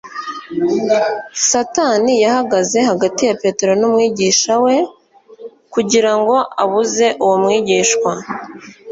Satani yahagaze hagati ya Petero n'Umwigisha we kugira ngo abuze uwo mwigishwa